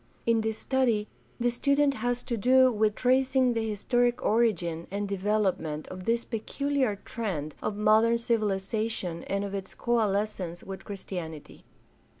In this study the student has to do with tracing the historic origin and development of this peculiar trend of modern civilization and of its coalescence with Christianity.